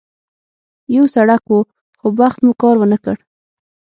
یو سړک و، خو بخت مو کار ونه کړ.